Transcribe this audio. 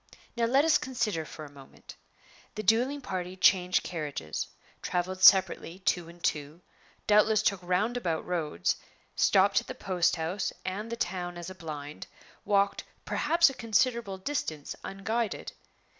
Now let us consider for a moment. The dueling party changed carriages; traveled separately, two and two; doubtless took roundabout roads; stopped at the post house and the town as a blind; walked, perhaps, a considerable distance unguided.